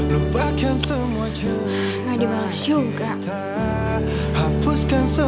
kayaknya samuel emang sibuk banget sih